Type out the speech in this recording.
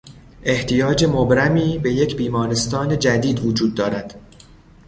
احتیاج مبرمی به یک بیمارستان جدید وجود دارد.